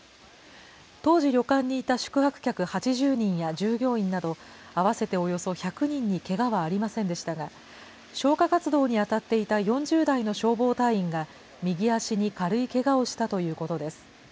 当時、旅館にいた宿泊客８０人や従業員など合わせておよそ１００人にけがはありませんでしたが、消火活動に当たっていた４０代の消防隊員が、右足に軽いけがをしたということです。